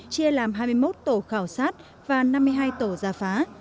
chia làm hai mươi một tổ khảo sát và năm mươi hai tổ giả phá